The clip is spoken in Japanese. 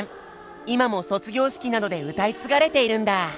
今も卒業式などで歌い継がれているんだ！